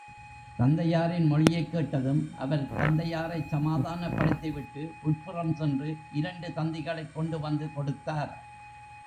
தந்தையாரின் மொழியைக்கேட்டதும், அவர் தந்தையாரைச் சமதானப்படுத்தி விட்டு, உட்புறம்சென்று இரண்டு தந்திகளைக் கொண்டு வந்து கொடுத்தார்.